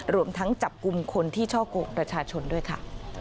รวมทั้งจับกลุ่มคนที่ช่อกงประชาชนด้วยค่ะ